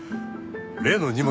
例の荷物